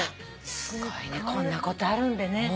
すごいねこんなことあるんだね。